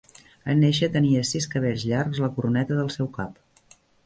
En néixer, tenia sis cabells llargs a la coroneta del seu cap.